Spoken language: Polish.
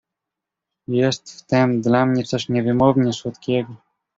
"Jest w tem dla mnie coś niewymownie słodkiego."